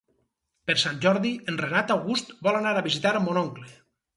Per Sant Jordi en Renat August vol anar a visitar mon oncle.